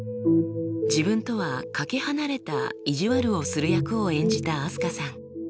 自分とはかけ離れた意地悪をする役を演じたあすかさん。